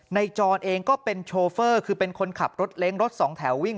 จรเองก็เป็นโชเฟอร์คือเป็นคนขับรถเล้งรถสองแถววิ่ง